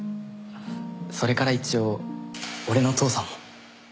それから一応俺の父さんも。